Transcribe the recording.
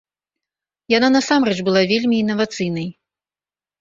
Яна насамрэч была вельмі інавацыйнай.